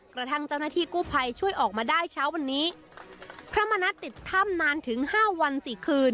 กระทั่งเจ้าหน้าที่กู้ภัยช่วยออกมาได้เช้าวันนี้พระมณัฐติดถ้ำนานถึงห้าวันสี่คืน